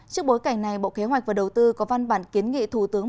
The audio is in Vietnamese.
trước bối cảnh này bộ kế hoạch và đầu tư có văn bản kiến nghị thủ tướng